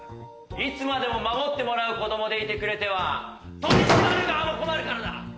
いつまでも守ってもらう子どもでいてくれては取り締まる側も困るからな！